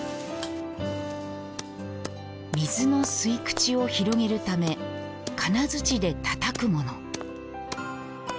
水の吸い口を広げるため金づちで、たたくもの。